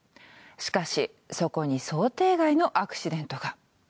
しかしそこに想定外のアクシデントが。